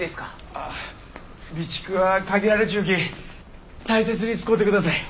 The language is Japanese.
あ備蓄は限られちゅうき大切に使うてください。